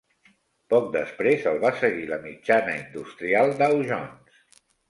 Poc després el va seguir la Mitjana Industrial Dow Jones.